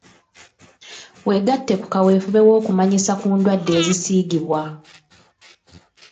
Weegatte ku kaweefube w'okumanyisa ku ndwadde ezisiigibwa.